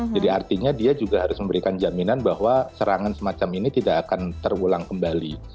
jadi artinya dia juga harus memberikan jaminan bahwa serangan semacam ini tidak akan terulang kembali